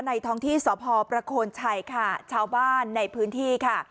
ท้องที่สพประโคนชัยค่ะชาวบ้านในพื้นที่ค่ะ